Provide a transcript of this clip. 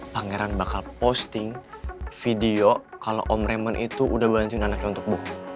pangeran bakal posting video kalau om reman itu udah bantuin anaknya untuk buku